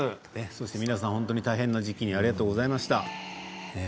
そして皆さん大変な時期にありがとうございました。